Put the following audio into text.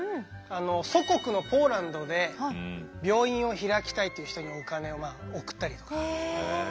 祖国のポーランドで病院を開きたいっていう人にお金を送ったりとか。